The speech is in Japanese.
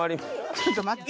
ちょっと待て。